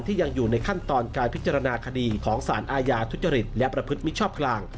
ยังอยู่ในขั้นตอนการพิจารณาคดีของสารอาญาทุจริตและประพฤติมิชชอบกลาง